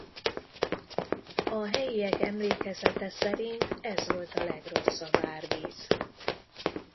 A helyiek emlékezete szerint ez volt a legrosszabb árvíz.